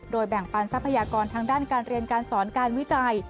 แบ่งปันทรัพยากรทางด้านการเรียนการสอนการวิจัย